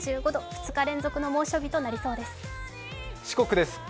２日連続の猛暑日となりそうです。